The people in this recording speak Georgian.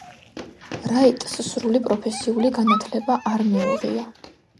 რაიტს სრული პროფესიული განათლება არ მიუღია.